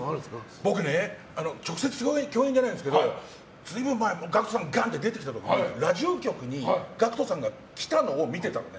僕ね、直接共演じゃないんですけど随分前、ＧＡＣＫＴさんがガンと出てきた時ラジオ局にＧＡＣＫＴさんが来たのを見てたのね。